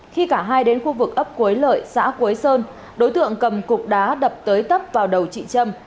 khi cả hai đến khu vực ấp quế lợi xã quế sơn đối tượng cầm cục đá đập tới tấp vào đầu chị trâm